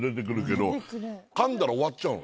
噛んだら終わっちゃうの。